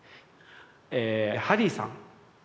えハリーさん。